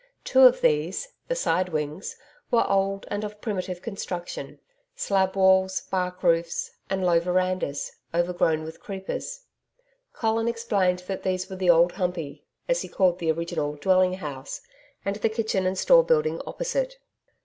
Two of these the side wings were old and of primitive construction slab walls, bark roofs, and low verandas, overgrown with creepers. Colin explained that these were the Old Humpey as he called the original dwelling house and the kitchen and store building opposite.